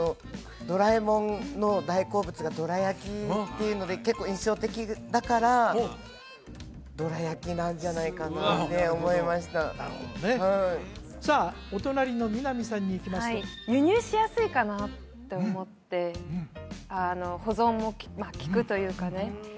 ドラえもんの大好物がどら焼きっていうので結構印象的だからどら焼きなんじゃないかなって思いましたなるほどねさあお隣の美波さんにいきますと輸入しやすいかなって思ってあの保存もきくというかね